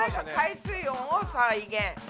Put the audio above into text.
前が海水温を再現。